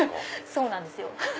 そうなんですよ。